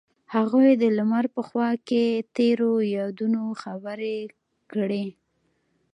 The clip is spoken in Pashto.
هغوی د لمر په خوا کې تیرو یادونو خبرې کړې.